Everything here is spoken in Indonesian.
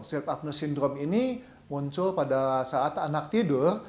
sleep apnoe sindrom ini muncul pada saat anak tidur